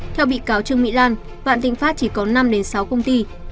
theo bị cáo trương mỹ lan vạn tịnh pháp chỉ có năm sáu công ty